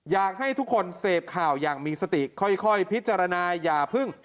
อยากให้ทุกคนเสพข่าวอย่างมีสติค่อยพิจารณาอย่าพึ่ง